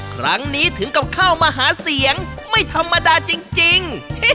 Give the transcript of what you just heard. ครั้งนี้ถึงกับเข้ามาหาเสียงไม่ธรรมดาจริง